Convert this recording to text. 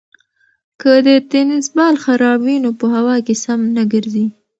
که د تېنس بال خراب وي نو په هوا کې سم نه ګرځي.